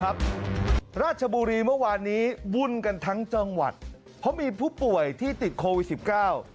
ราชบุรีเมื่อวานนี้วุ่นกันทั้งจังหวัดเพราะมีผู้ป่วยที่ติดโควิดสิบเก้า